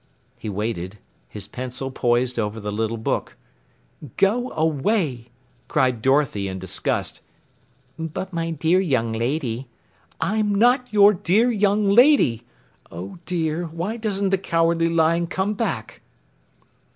He waited, his pencil poised over the little book. "Go away," cried Dorothy in disgust. "But my dear young lady " "I'm not your dear young lady. Oh, dear, why doesn't the Cowardly Lion come back?"